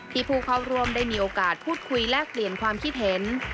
ผู้เข้าร่วมได้มีโอกาสพูดคุยแลกเปลี่ยนความคิดเห็น